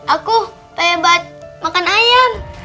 aku pengen banget makan ayam